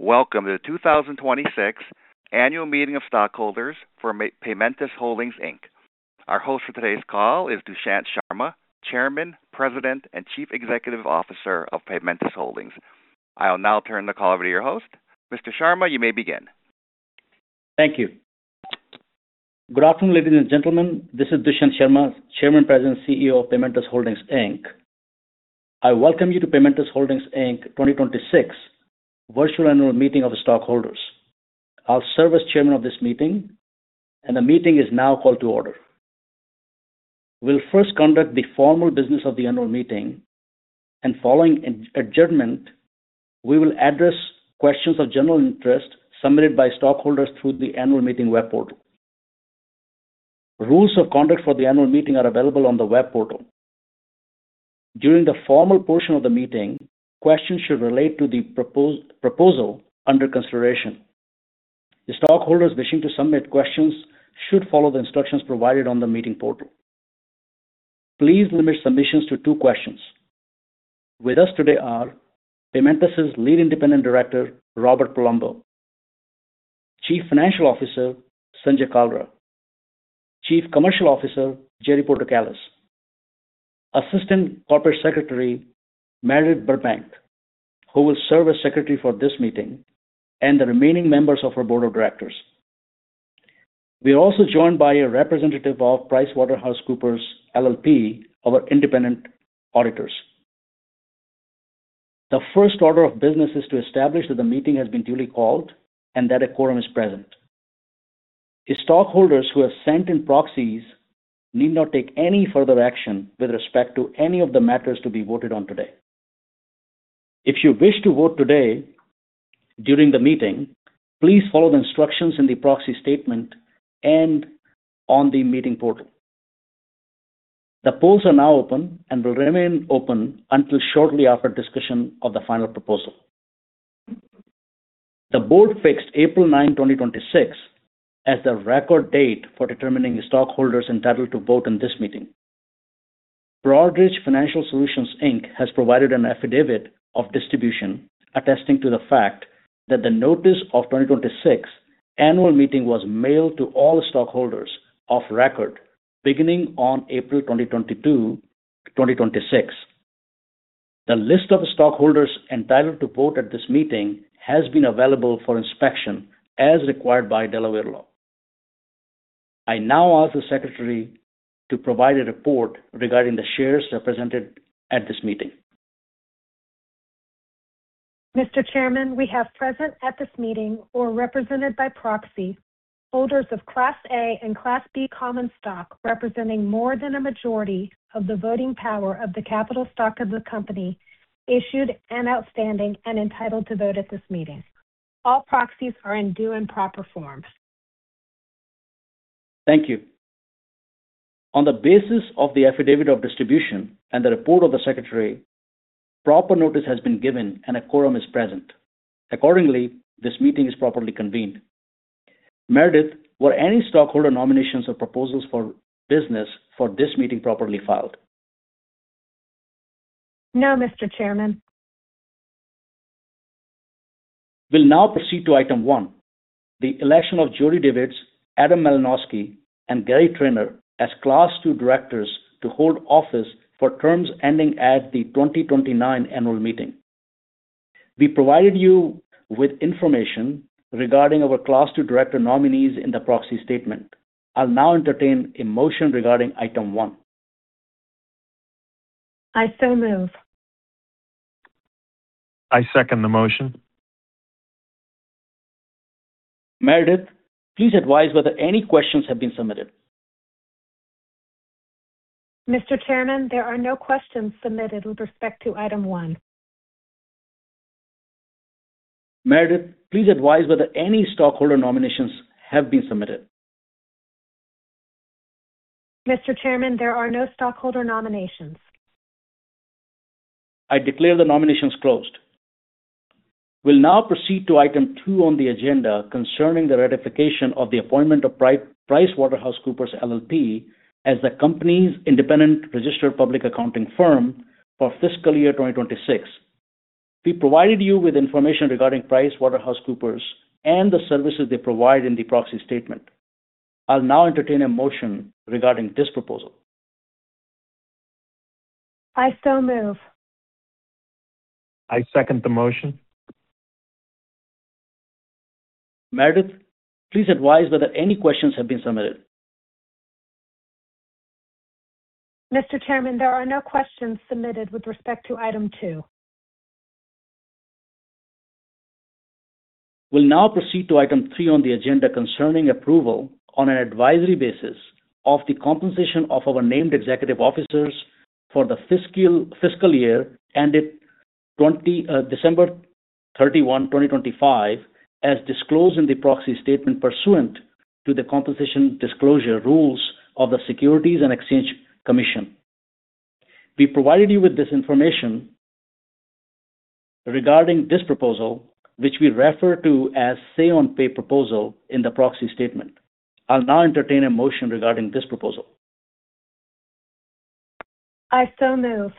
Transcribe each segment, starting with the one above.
Welcome to the 2026 annual meeting of stockholders for Paymentus Holdings, Inc. Our host for today's call is Dushyant Sharma, Chairman, President, and Chief Executive Officer of Paymentus Holdings. I will now turn the call over to your host. Mr. Sharma, you may begin. Thank you. Good afternoon, ladies and gentlemen. This is Dushyant Sharma, Chairman, President, CEO of Paymentus Holdings, Inc. I welcome you to Paymentus Holdings, Inc 2026 virtual annual meeting of the stockholders. I'll serve as Chairman of this meeting, and the meeting is now called to order. We'll first conduct the formal business of the annual meeting, and following adjournment, we will address questions of general interest submitted by stockholders through the annual meeting web portal. Rules of conduct for the annual meeting are available on the web portal. During the formal portion of the meeting, questions should relate to the proposal under consideration. The stockholders wishing to submit questions should follow the instructions provided on the meeting portal. Please limit submissions to two questions. With us today are Paymentus's Lead Independent Director, Robert Palumbo, Chief Financial Officer, Sanjay Kalra, Chief Commercial Officer, Jerry Portocalis, Assistant Corporate Secretary, Meredith Burbank, who will serve as secretary for this meeting, and the remaining members of our board of directors. We are also joined by a representative of PricewaterhouseCoopers LLP, our independent auditors. The first order of business is to establish that the meeting has been duly called and that a quorum is present. The stockholders who have sent in proxies need not take any further action with respect to any of the matters to be voted on today. If you wish to vote today during the meeting, please follow the instructions in the proxy statement and on the meeting portal. The polls are now open and will remain open until shortly after discussion of the final proposal. The board fixed April ninth, 2026, as the record date for determining the stockholders entitled to vote in this meeting. Broadridge Financial Solutions, Inc. has provided an affidavit of distribution attesting to the fact that the notice of 2026 annual meeting was mailed to all stockholders of record beginning on April 22, 2026. The list of stockholders entitled to vote at this meeting has been available for inspection as required by Delaware law. I now ask the secretary to provide a report regarding the shares represented at this meeting. Mr. Chairman, we have present at this meeting, or represented by proxy, holders of Class A and Class B common stock representing more than a majority of the voting power of the capital stock of the company issued and outstanding and entitled to vote at this meeting. All proxies are in due and proper form. Thank you. On the basis of the affidavit of distribution and the report of the secretary, proper notice has been given and a quorum is present. Accordingly, this meeting is properly convened. Meredith, were any stockholder nominations or proposals for business for this meeting properly filed? No, Mr. Chairman. We'll now proceed to item one, the election of Jody Davids, Adam Malinowski, and Gary Trainor as Class 2 directors to hold office for terms ending at the 2029 annual meeting. We provided you with information regarding our Class 2 director nominees in the proxy statement. I'll now entertain a motion regarding item one. I so move. I second the motion. Meredith, please advise whether any questions have been submitted. Mr. Chairman, there are no questions submitted with respect to item one. Meredith, please advise whether any stockholder nominations have been submitted? Mr. Chairman, there are no stockholder nominations. I declare the nominations closed. We'll now proceed to item two on the agenda concerning the ratification of the appointment of PricewaterhouseCoopers LLP, as the company's independent registered public accounting firm for fiscal year 2026. We provided you with information regarding PricewaterhouseCoopers and the services they provide in the proxy statement. I'll now entertain a motion regarding this proposal. I so move. I second the motion. Meredith, please advise whether any questions have been submitted. Mr. Chairman, there are no questions submitted with respect to item two. We'll now proceed to item three on the agenda concerning approval on an advisory basis of the compensation of our named executive officers for the fiscal year ended December thirty-one, twenty-twenty-five, as disclosed in the proxy statement pursuant to the compensation disclosure rules of the Securities and Exchange Commission. We provided you with this information regarding this proposal, which we refer to as Say-on-Pay proposal in the proxy statement. I'll now entertain a motion regarding this proposal. I so move.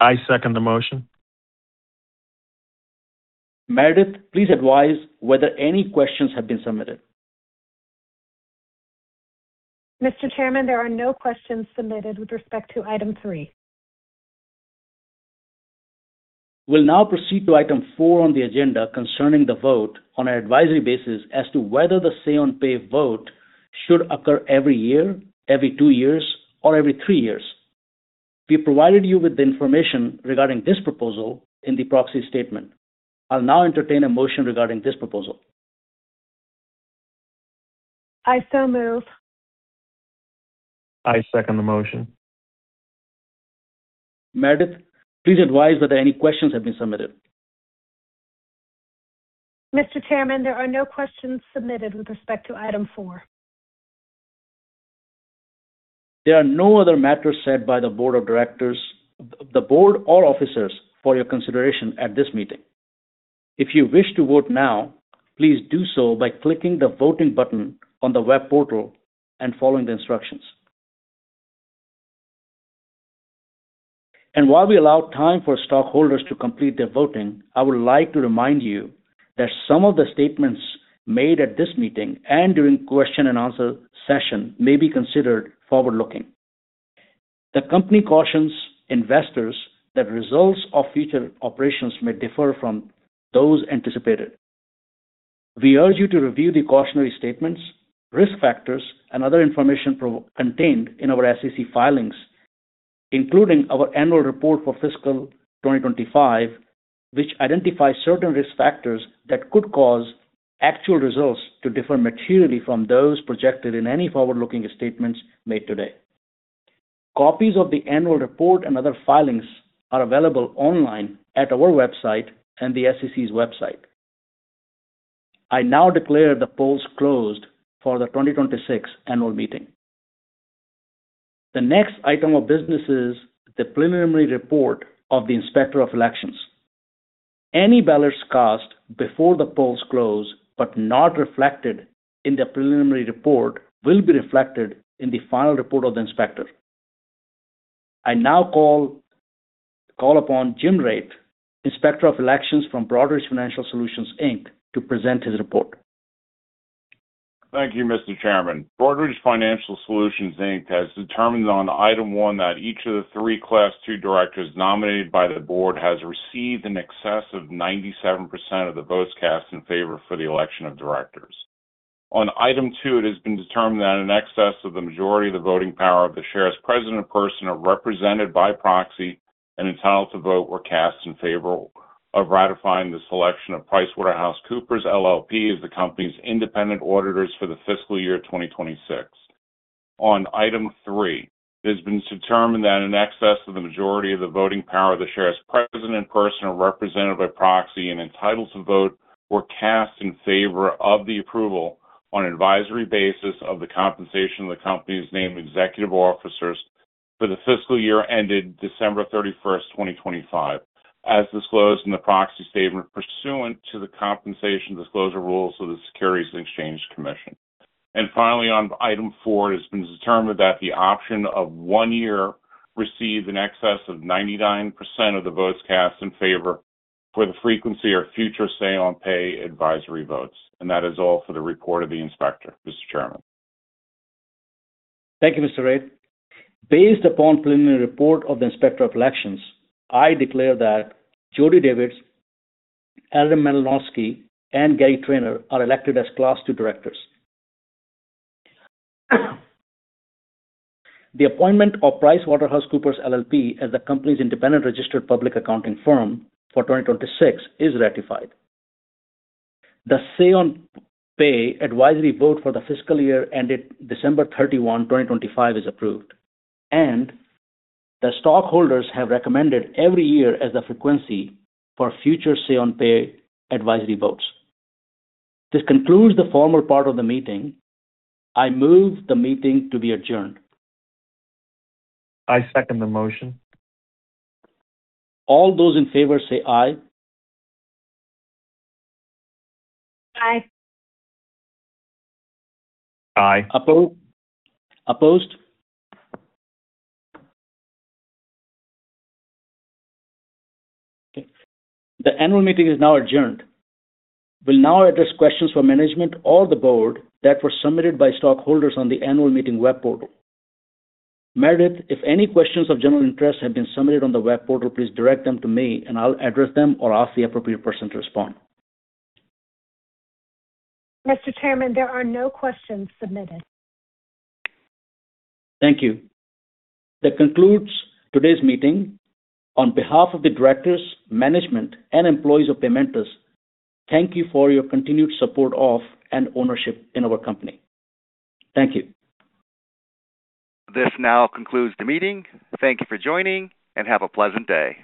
I second the motion. Meredith, please advise whether any questions have been submitted. Mr. Chairman, there are no questions submitted with respect to item three. We'll now proceed to item four on the agenda concerning the vote on an advisory basis as to whether the Say-on-Pay vote should occur every year, every two years, or every three years. We provided you with the information regarding this proposal in the proxy statement. I'll now entertain a motion regarding this proposal. I so move. I second the motion. Meredith, please advise whether any questions have been submitted. Mr. Chairman, there are no questions submitted with respect to item four. There are no other matters set by the board or officers for your consideration at this meeting. If you wish to vote now, please do so by clicking the voting button on the web portal and following the instructions. While we allow time for stockholders to complete their voting, I would like to remind you that some of the statements made at this meeting and during question and answer session may be considered forward-looking. The company cautions investors that results of future operations may differ from those anticipated. We urge you to review the cautionary statements, risk factors, and other information contained in our SEC filings, including our annual report for fiscal 2025, which identifies certain risk factors that could cause actual results to differ materially from those projected in any forward-looking statements made today. Copies of the annual report and other filings are available online at our website and the SEC's website. I now declare the polls closed for the 2026 annual meeting. The next item of business is the preliminary report of the Inspector of Elections. Any ballots cast before the polls close but not reflected in the preliminary report will be reflected in the final report of the Inspector. I now call upon Jim Rait, Inspector of Elections from Broadridge Financial Solutions, Inc., to present his report. Thank you, Mr. Chairman. Broadridge Financial Solutions, Inc, has determined on item one that each of the three Class II directors nominated by the board has received in excess of 97% of the votes cast in favor for the election of directors. On item two, it has been determined that in excess of the majority of the voting power of the shares present in person or represented by proxy and entitled to vote were cast in favor of ratifying the selection of PricewaterhouseCoopers LLP as the company's independent auditors for the fiscal year 2026. On item three, it has been determined that in excess of the majority of the voting power of the shares present in person or represented by proxy and entitled to vote were cast in favor of the approval on an advisory basis of the compensation of the company's named executive officers for the fiscal year ended December 31st, 2025, as disclosed in the proxy statement pursuant to the compensation disclosure rules of the Securities and Exchange Commission. Finally, on item four, it has been determined that the option of one year received in excess of 99% of the votes cast in favor for the frequency of future Say-on-Pay advisory votes. That is all for the report of the inspector, Mr. Chairman. Thank you, Mr. Rait. Based upon preliminary report of the Inspector of Elections, I declare that Jody Davids, Adam Malinowski, and Gary Trainor are elected as Class II directors. The appointment of PricewaterhouseCoopers LLP as the company's independent registered public accounting firm for 2026 is ratified. The Say-on-Pay advisory vote for the fiscal year ended December 31, 2025 is approved, and the stockholders have recommended every year as the frequency for future Say-on-Pay advisory votes. This concludes the formal part of the meeting. I move the meeting to be adjourned. I second the motion. All those in favor say aye. Aye. Aye. Opposed? Okay. The annual meeting is now adjourned. We'll now address questions for management or the board that were submitted by stockholders on the annual meeting web portal. Meredith, if any questions of general interest have been submitted on the web portal, please direct them to me and I'll address them or ask the appropriate person to respond. Mr. Chairman, there are no questions submitted. Thank you. That concludes today's meeting. On behalf of the directors, management, and employees of Paymentus, thank you for your continued support of and ownership in our company. Thank you. This now concludes the meeting. Thank you for joining, and have a pleasant day.